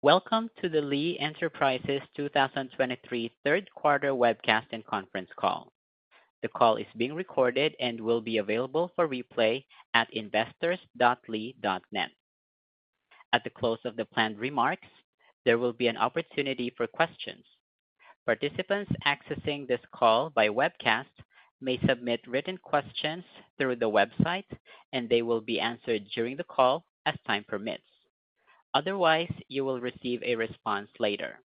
Welcome to the Lee Enterprises 2023 third quarter webcast and conference call. The call is being recorded and will be available for replay at investors.lee.net. At the close of the planned remarks, there will be an opportunity for questions. Participants accessing this call by webcast may submit written questions through the website, and they will be answered during the call as time permits. Otherwise, you will receive a response later.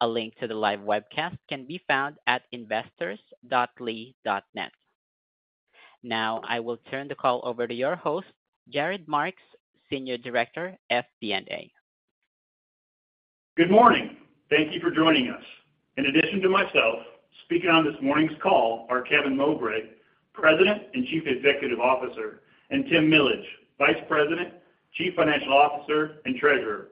A link to the live webcast can be found at investors.lee.net. Now, I will turn the call over to your host, Jared Marks, Senior Director, FP&A. Good morning. Thank you for joining us. In addition to myself, speaking on this morning's call are Kevin Mowbray, President and Chief Executive Officer, and Tim Millage, Vice President, Chief Financial Officer, and Treasurer.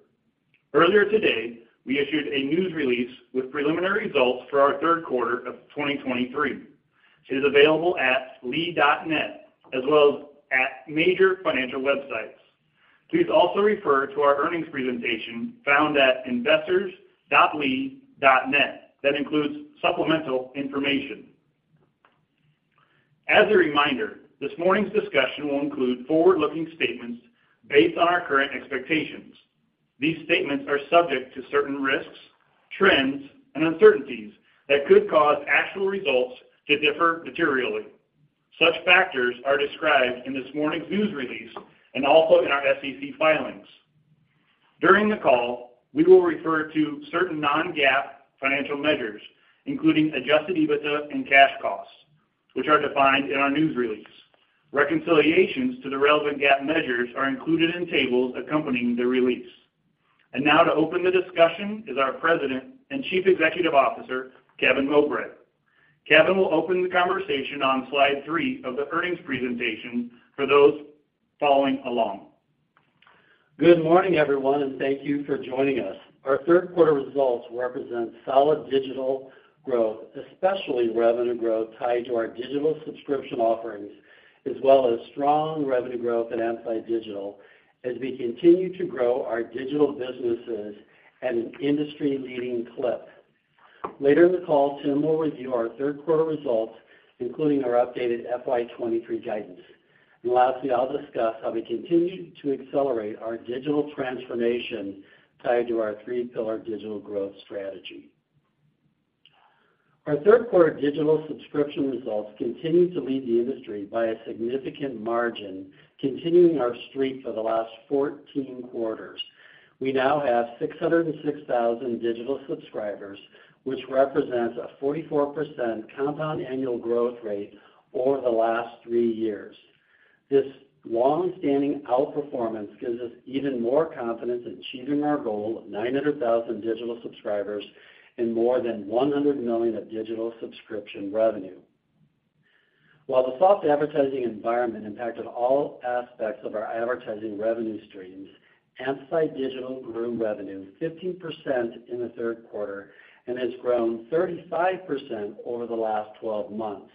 Earlier today, we issued a news release with preliminary results for our third quarter of 2023. It is available at lee.net, as well as at major financial websites. Please also refer to our earnings presentation found at investors.lee.net. That includes supplemental information. As a reminder, this morning's discussion will include forward-looking statements based on our current expectations. These statements are subject to certain risks, trends, and uncertainties that could cause actual results to differ materially. Such factors are described in this morning's news release and also in our SEC filings. During the call, we will refer to certain non-GAAP financial measures, including adjusted EBITDA and cash costs, which are defined in our news release. Reconciliations to the relevant GAAP measures are included in tables accompanying the release. Now to open the discussion is our President and Chief Executive Officer, Kevin Mowbray. Kevin will open the conversation on slide three of the earnings presentation for those following along. Good morning, everyone. Thank you for joining us. Our third quarter results represent solid digital growth, especially revenue growth tied to our digital subscription offerings, as well as strong revenue growth at Amplified Digital, as we continue to grow our digital businesses at an industry-leading clip. Later in the call, Tim will review our third quarter results, including our updated FY 2023 guidance. Lastly, I'll discuss how we continue to accelerate our digital transformation tied to our three-pillar digital growth strategy. Our third quarter digital subscription results continued to lead the industry by a significant margin, continuing our streak for the last 14 quarters. We now have 606,000 digital subscribers, which represents a 44% compound annual growth rate over the last three years. This long-standing outperformance gives us even more confidence in achieving our goal of 900,000 digital subscribers and more than $100 million of digital subscription revenue. While the soft advertising environment impacted all aspects of our advertising revenue streams, Amplified Digital grew revenue 15% in the third quarter and has grown 35% over the last 12 months.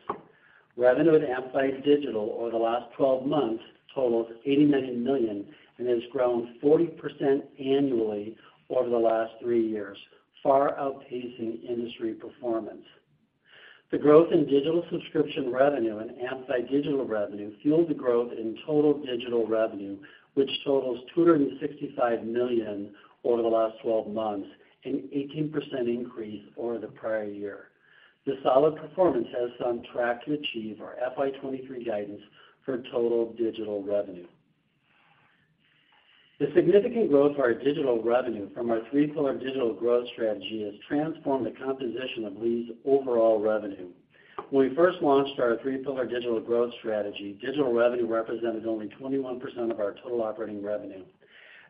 Revenue at Amplified Digital over the last 12 months totals $89 million and has grown 40% annually over the last three years, far outpacing industry performance. The growth in digital subscription revenue and Amplified Digital revenue fueled the growth in total digital revenue, which totals $265 million over the last 12 months, an 18% increase over the prior year. The solid performance has us on track to achieve our FY23 guidance for total digital revenue. The significant growth of our digital revenue from our three-pillar digital growth strategy has transformed the composition of Lee's overall revenue. When we first launched our three-pillar digital growth strategy, digital revenue represented only 21% of our total operating revenue.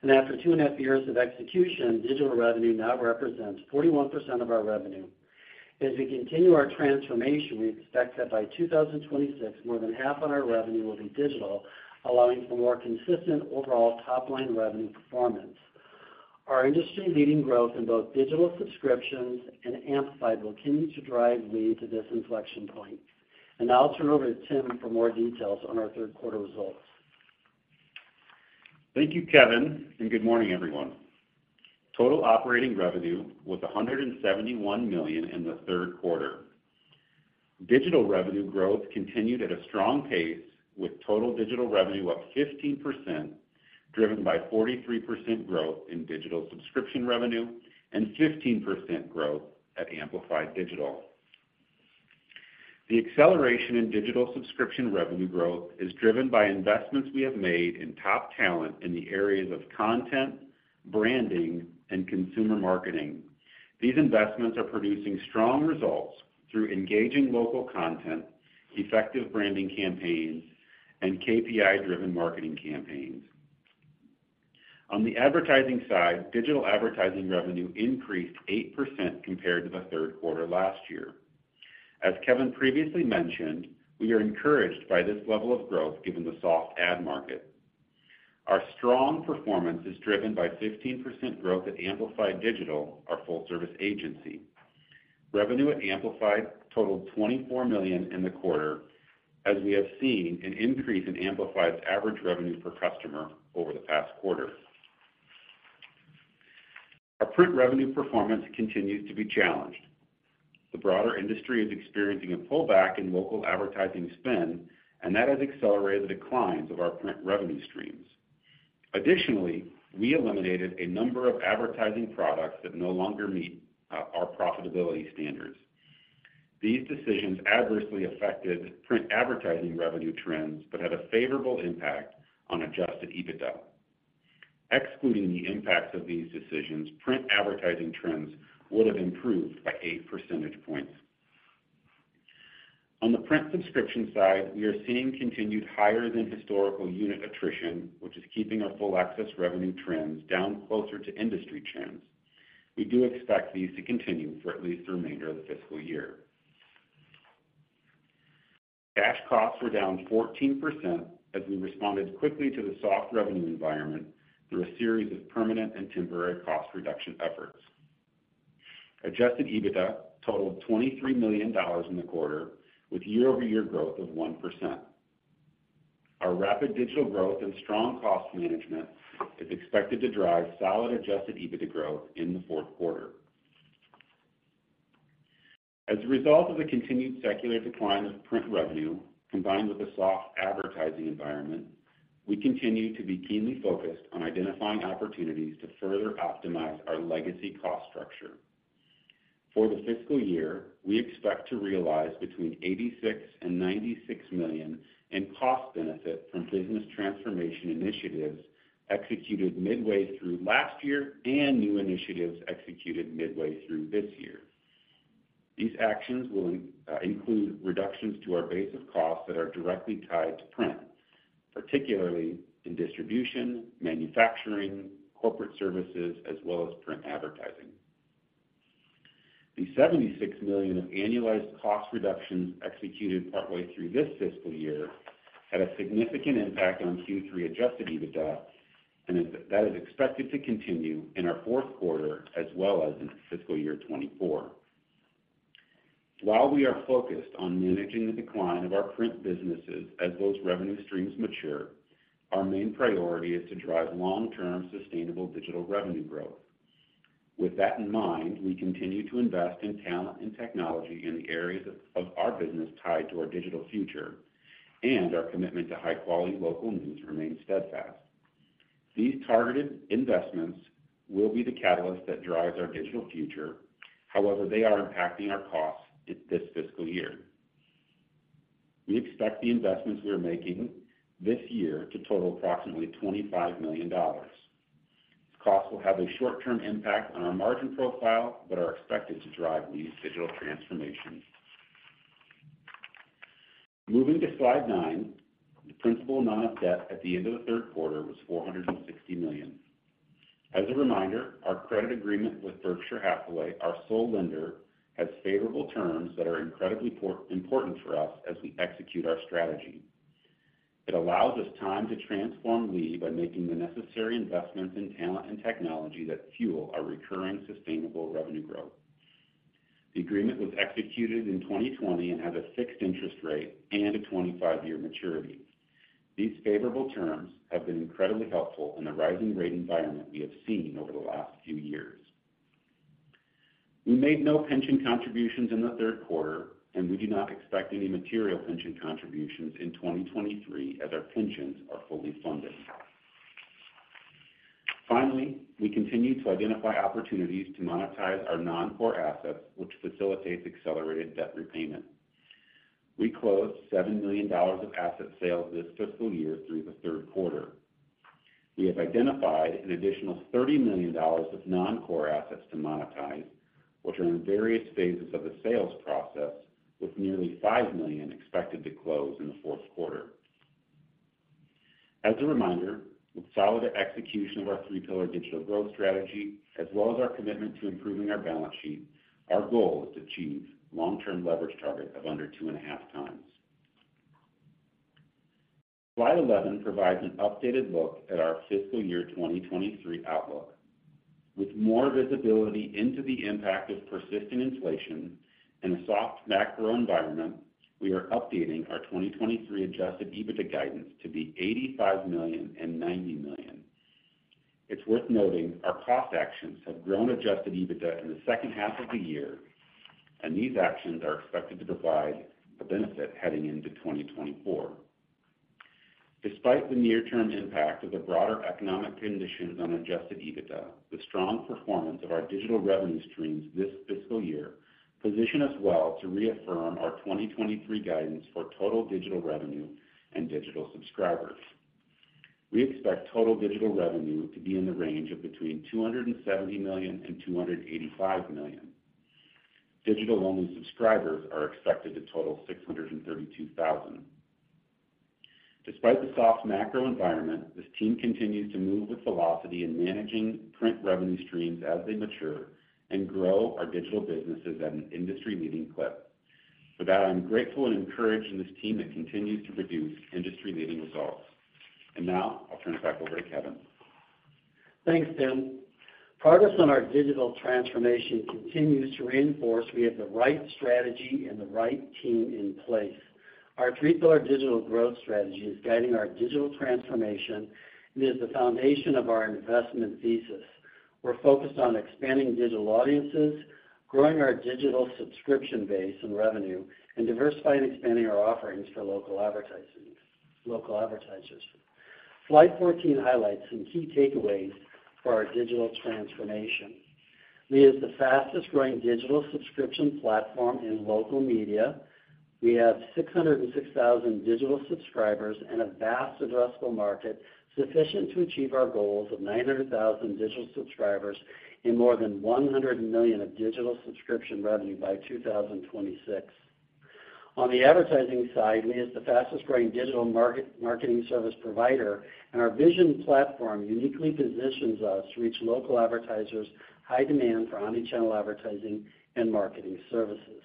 After 2.5 years of execution, digital revenue now represents 41% of our revenue. As we continue our transformation, we expect that by 2026, more than half of our revenue will be digital, allowing for more consistent overall top-line revenue performance. Our industry-leading growth in both digital subscriptions and Amplified will continue to drive Lee to this inflection point. Now I'll turn over to Tim for more details on our third quarter results. Thank you, Kevin, and good morning, everyone. Total operating revenue was $171 million in the third quarter. Digital revenue growth continued at a strong pace, with total digital revenue up 15%, driven by 43% growth in digital subscription revenue and 15% growth at Amplified Digital. The acceleration in digital subscription revenue growth is driven by investments we have made in top talent in the areas of content, branding, and consumer marketing. These investments are producing strong results through engaging local content, effective branding campaigns, and KPI-driven marketing campaigns. On the advertising side, digital advertising revenue increased 8% compared to the third quarter last year. As Kevin previously mentioned, we are encouraged by this level of growth given the soft ad market. Our strong performance is driven by 16% growth at Amplified Digital, our full-service agency. Revenue at Amplified totaled $24 million in the quarter, as we have seen an increase in Amplified's average revenue per customer over the past quarter. Our print revenue performance continues to be challenged. The broader industry is experiencing a pullback in local advertising spend, that has accelerated the declines of our print revenue streams. Additionally, we eliminated a number of advertising products that no longer meet our profitability standards. These decisions adversely affected print advertising revenue trends, had a favorable impact on adjusted EBITDA. Excluding the impacts of these decisions, print advertising trends would have improved by 8 percentage points. On the print subscription side, we are seeing continued higher than historical unit attrition, which is keeping our full access revenue trends down closer to industry trends. We do expect these to continue for at least the remainder of the fiscal year. Cash costs were down 14% as we responded quickly to the soft revenue environment through a series of permanent and temporary cost reduction efforts. Adjusted EBITDA totaled $23 million in the quarter, with year-over-year growth of 1%. Our rapid digital growth and strong cost management is expected to drive solid Adjusted EBITDA growth in the fourth quarter. As a result of the continued secular decline of print revenue, combined with the soft advertising environment, we continue to be keenly focused on identifying opportunities to further optimize our legacy cost structure. For the fiscal year, we expect to realize between $86 million and $96 million in cost benefit from business transformation initiatives executed midway through last year and new initiatives executed midway through this year. These actions will in- include reductions to our base of costs that are directly tied to print, particularly in distribution, manufacturing, corporate services, as well as print advertising. The $76 million of annualized cost reductions executed partway through this fiscal year had a significant impact on Q3 adjusted EBITDA, and that is expected to continue in our fourth quarter as well as in fiscal year 2024. While we are focused on managing the decline of our print businesses as those revenue streams mature, our main priority is to drive long-term, sustainable digital revenue growth. With that in mind, we continue to invest in talent and technology in the areas of, of our business tied to our digital future, and our commitment to high-quality local news remains steadfast. These targeted investments will be the catalyst that drives our digital future. However, they are impacting our costs this fiscal year. We expect the investments we are making this year to total approximately $25 million. Costs will have a short-term impact on our margin profile, but are expected to drive these digital transformations. Moving to Slide nine, the principal amount of debt at the end of the third quarter was $460 million. As a reminder, our credit agreement with Berkshire Hathaway, our sole lender, has favorable terms that are incredibly important for us as we execute our strategy. It allows us time to transform Lee by making the necessary investments in talent and technology that fuel our recurring sustainable revenue growth. The agreement was executed in 2020 and has a fixed interest rate and a 25-year maturity. These favorable terms have been incredibly helpful in the rising rate environment we have seen over the last few years. We made no pension contributions in the third quarter, and we do not expect any material pension contributions in 2023, as our pensions are fully funded. Finally, we continue to identify opportunities to monetize our non-core assets, which facilitates accelerated debt repayment. We closed $7 million of asset sales this fiscal year through the third quarter. We have identified an additional $30 million of non-core assets to monetize, which are in various phases of the sales process, with nearly $5 million expected to close in the fourth quarter. As a reminder, with solid execution of our three-pillar digital growth strategy, as well as our commitment to improving our balance sheet, our goal is to achieve long-term leverage target of under 2.5x. Slide 11 provides an updated look at our fiscal year 2023 outlook. With more visibility into the impact of persisting inflation and a soft macro environment, we are updating our 2023 adjusted EBITDA guidance to be $85 million and $90 million. It's worth noting our cost actions have grown adjusted EBITDA in the second half of the year. These actions are expected to provide a benefit heading into 2024. Despite the near-term impact of the broader economic conditions on adjusted EBITDA, the strong performance of our digital revenue streams this fiscal year position us well to reaffirm our 2023 guidance for total digital revenue and digital subscribers. We expect total digital revenue to be in the range of between $270 million and $285 million. Digital-only subscribers are expected to total 632,000. Despite the soft macro environment, this team continues to move with velocity in managing print revenue streams as they mature and grow our digital businesses at an industry-leading clip. For that, I'm grateful and encouraged in this team that continues to produce industry-leading results. Now I'll turn it back over to Kevin. Thanks, Tim. Progress on our digital transformation continues to reinforce Lee has the right strategy and the right team in place. Our three-pillar digital growth strategy is guiding our digital transformation and is the foundation of our investment thesis. We're focused on expanding digital audiences, growing our digital subscription base and revenue, and diversifying and expanding our offerings for local advertising, local advertisers. Slide 14 highlights some key takeaways for our digital transformation. Lee is the fastest growing digital subscription platform in local media. We have 606,000 digital subscribers and a vast addressable market, sufficient to achieve our goals of 900,000 digital subscribers and more than $100 million of digital subscription revenue by 2026. On the advertising side, we is the fastest growing digital marketing service provider, and our Vision platform uniquely positions us to reach local advertisers' high demand for omnichannel advertising and marketing services.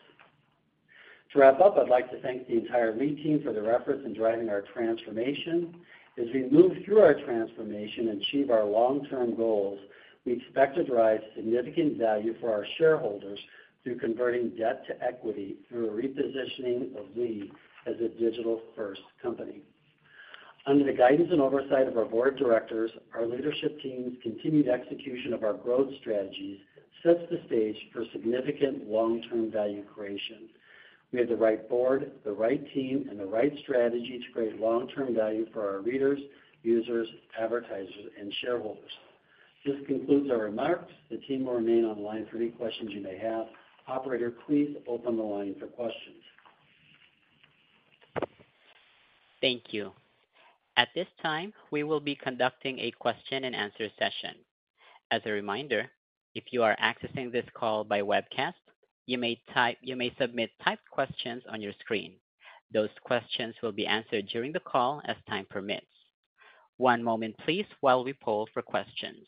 To wrap up, I'd like to thank the entire Lee team for their efforts in driving our transformation. As we move through our transformation and achieve our long-term goals, we expect to derive significant value for our shareholders through converting debt to equity through a repositioning of Lee as a digital-first company. Under the guidance and oversight of our board of directors, our leadership team's continued execution of our growth strategies sets the stage for significant long-term value creation. We have the right board, the right team, and the right strategy to create long-term value for our readers, users, advertisers, and shareholders. This concludes our remarks. The team will remain online for any questions you may have. Operator, please open the line for questions. Thank you. At this time, we will be conducting a question and answer session. As a reminder, if you are accessing this call by webcast, you may submit typed questions on your screen. Those questions will be answered during the call as time permits. One moment please, while we poll for questions.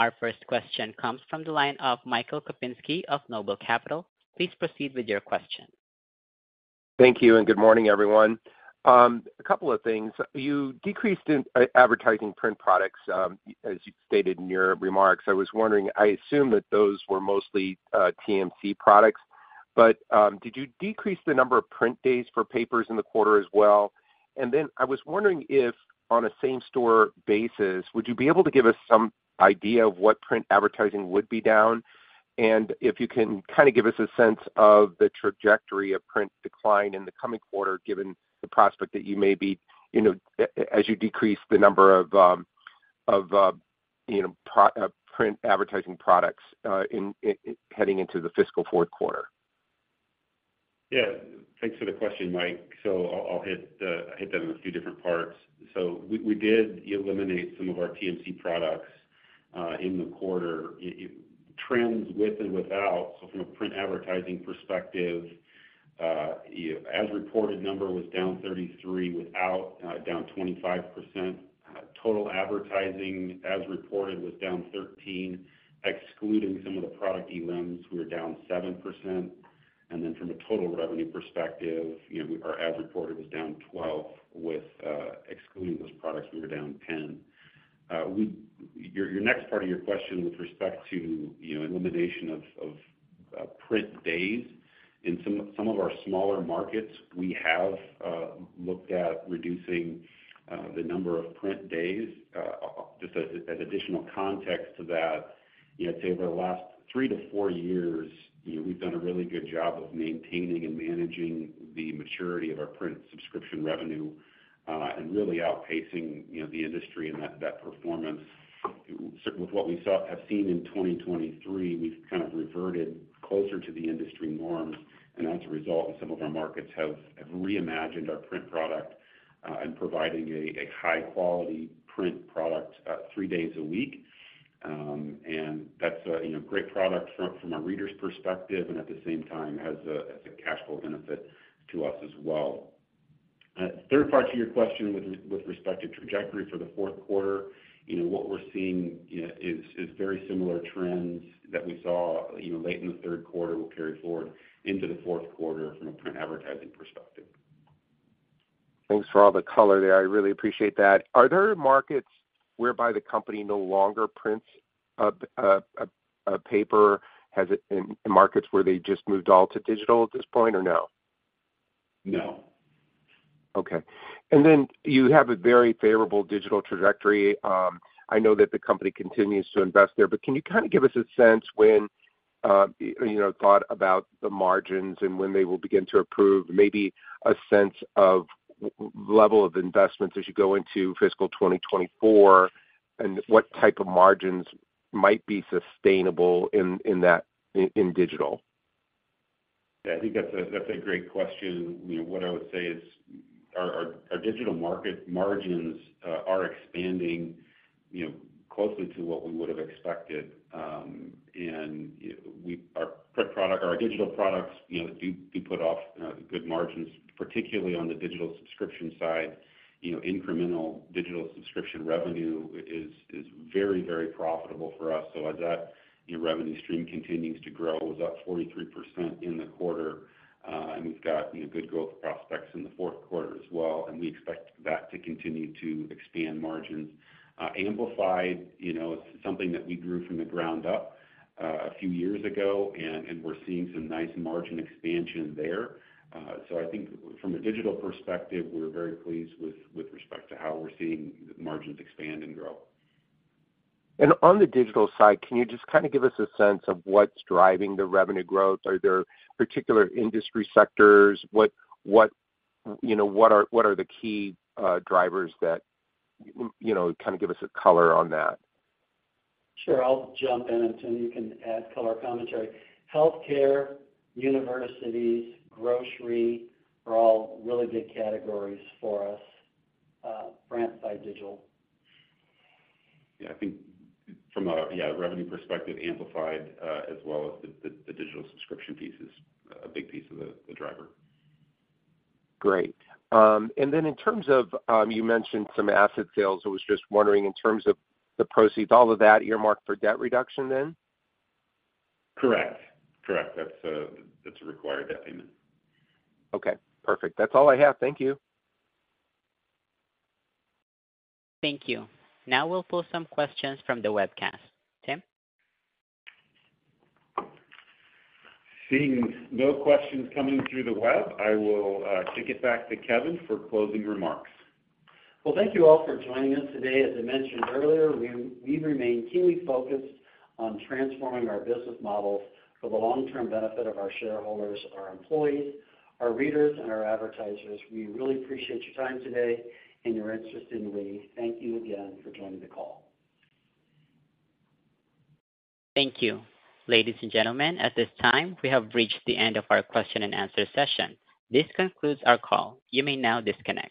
Our first question comes from the line of Michael Kupinski of Noble Capital. Please proceed with your question. Thank you. Good morning, everyone. A couple of things. You decreased in advertising print products, as you stated in your remarks. I was wondering, I assume that those were mostly TMC products. Did you decrease the number of print days for papers in the quarter as well? Then I was wondering if on a same-store basis, would you be able to give us some idea of what print advertising would be down? If you can kind of give us a sense of the trajectory of print decline in the coming quarter, given the prospect that you may be, you know, as you decrease the number of, you know, print advertising products, in heading into the fiscal fourth quarter. Yeah, thanks for the question, Mike. I'll, I'll hit the, hit that in a few different parts. We, we did eliminate some of our TMC products in the quarter. It, it trends with and without. From a print advertising perspective, as reported number was down 33, without, down 25%. Total advertising, as reported, was down 13. Excluding some of the product eliminations, we were down 7%. From a total revenue perspective, you know, our ad reported was down 12, with, excluding those products, we were down 10. Your, your next part of your question with respect to, you know, elimination of, of, print days. In some, some of our smaller markets, we have, looked at reducing, the number of print days. Just as, as additional context to that, you know, I'd say over the last three to four years, you know, we've done a really good job of maintaining and managing the maturity of our print subscription revenue, and really outpacing, you know, the industry and that, that performance. With what we have seen in 2023, we've kind of reverted closer to the industry norm, and as a result, some of our markets have, have reimagined our print product, and providing a, a high-quality print product, three days a week. That's a, you know, great product from, from a reader's perspective, and at the same time has a, has a cash flow benefit to us as well. third part to your question with, with respect to trajectory for the fourth quarter, you know, what we're seeing, you know, is, is very similar trends that we saw, you know, late in the third quarter will carry forward into the fourth quarter from a print advertising perspective. Thanks for all the color there. I really appreciate that. Are there markets whereby the company no longer prints a paper? In markets where they just moved all to digital at this point, or no? No. Okay. Then you have a very favorable digital trajectory. I know that the company continues to invest there, but can you kind of give us a sense when, you know, thought about the margins and when they will begin to approve, maybe a sense of level of investments as you go into fiscal 2024, and what type of margins might be sustainable in, in that, in, in digital? Yeah, I think that's a, that's a great question. You know, what I would say is our, our, our digital market margins are expanding, you know, closely to what we would have expected. You know, our print product, our digital products, you know, do, do put off good margins, particularly on the digital subscription side. You know, incremental digital subscription revenue is, is very, very profitable for us. As that, you know, revenue stream continues to grow, it was up 43% in the quarter. We've got, you know, good growth prospects in the fourth quarter as well, and we expect that to continue to expand margins. Amplified, you know, it's something that we grew from the ground up a few years ago, and, and we're seeing some nice margin expansion there. I think from a digital perspective, we're very pleased with, with respect to how we're seeing the margins expand and grow. On the digital side, can you just kind of give us a sense of what's driving the revenue growth? Are there particular industry sectors? What, what, you know, what are, what are the key drivers that, you know, kind of give us a color on that? Sure. I'll jump in, and Tim, you can add color commentary. Healthcare, universities, grocery are all really big categories for us, brand side digital. Yeah, I think from a revenue perspective, Amplified, as well as the, the, the digital subscription piece is a big piece of the, the driver. Great. Then in terms of, you mentioned some asset sales. I was just wondering, in terms of the proceeds, all of that earmarked for debt reduction then? Correct. Correct. That's a, that's a required debt payment. Okay, perfect. That's all I have. Thank you. Thank you. Now we'll pull some questions from the webcast. Tim? Seeing no questions coming through the web, I will kick it back to Kevin for closing remarks. Well, thank you all for joining us today. As I mentioned earlier, we, we remain keenly focused on transforming our business model for the long-term benefit of our shareholders, our employees, our readers, and our advertisers. We really appreciate your time today and your interest in Lee. Thank you again for joining the call. Thank you. Ladies and gentlemen, at this time, we have reached the end of our question and answer session. This concludes our call. You may now disconnect.